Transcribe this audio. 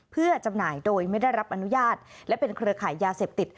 เพื่อจำหน่ายโดยไม่ได้รับอนุญาตและเป็นเครือขายยาเสพติด